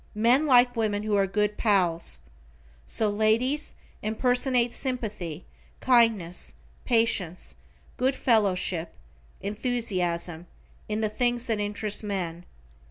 Men like women who are good pals. So ladies impersonate sympathy, kindness, patience, good fellowship, enthusiasm, in the things that interest men.